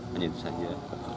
hanya itu saja